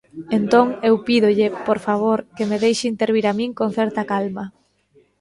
Entón, eu pídolle, por favor, que me deixe intervir a min con certa calma.